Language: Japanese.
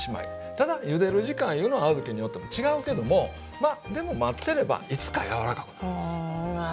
ただゆでる時間いうのは小豆によっても違うけどもでも待ってればいつか柔らかくなるんですよね。